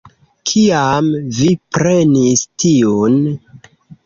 Kiam vi prenis tiun?